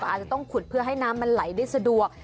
อาจจะต้องขุดเพื่อให้น้ำมันไหลได้สะดวก